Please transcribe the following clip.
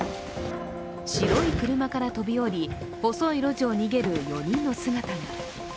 白い車から飛び降り、細い路地を逃げる４人の姿が。